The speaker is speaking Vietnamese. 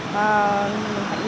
hãy nâng cao ý thức